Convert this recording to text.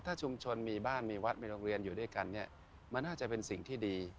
ถ้าชุมชนมีบ้านมีวัดมีโรงเรียนอยู่ด้วยกันเนี่ยมันน่าจะเป็นสิ่งที่ดี